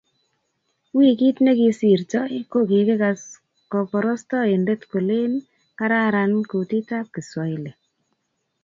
Wikit ne kisirtoi, ko kikikas koborostoindet kolen kararan kutitab kiswahili